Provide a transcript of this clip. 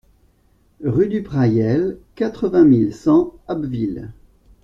Rue du Prayel, quatre-vingt mille cent Abbeville